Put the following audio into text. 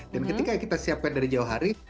dan ketika kita siapin dari jauh hari